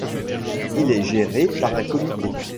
Il est géré par un comité.